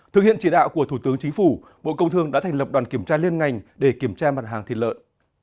thực hiện chỉ đạo của thủ tướng chính phủ bộ công thương đã thành lập đoàn kiểm tra liên ngành để kiểm tra mặt hàng thịt lợn